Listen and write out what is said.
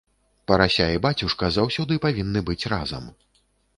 Парася і бацюшка заўсёды павінны быць разам.